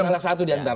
salah satu diantara